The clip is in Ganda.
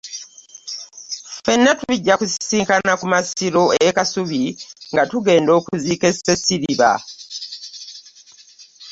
Ffenna tujja kusisinkana ku masiro e Kasubi nga tugenda okuziika e Masiriba.